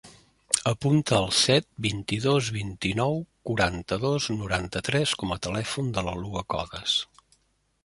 Apunta el set, vint-i-dos, vint-i-nou, quaranta-dos, noranta-tres com a telèfon de la Lua Codes.